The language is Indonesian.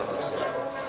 saya rasa semangat